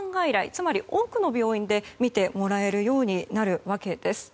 つまり多くの病院で診てもらえるようになるわけです。